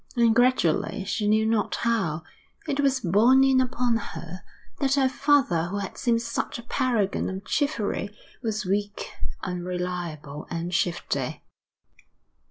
And gradually, she knew not how, it was borne in upon her that the father who had seemed such a paragon of chivalry, was weak, unreliable, and shifty.